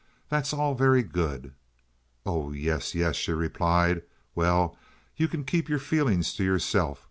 That's all very good." "Oh yes, yes," she replied. "Well, you can keep your feelings to yourself.